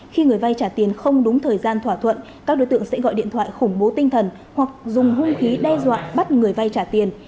khi người vay trả tiền không đúng thời gian thỏa thuận các đối tượng sẽ gọi điện thoại khủng bố tinh thần hoặc dùng hung khí đe dọa bắt người vay trả tiền